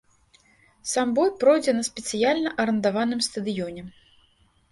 Сам бой пройдзе на спецыяльна арандаваным стадыёне.